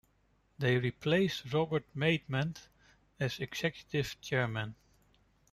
They replaced Robert Maidment as Executive Chairman.